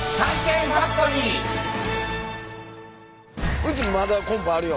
うちまだコンポあるよ。